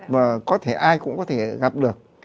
và có thể ai cũng có thể gặp được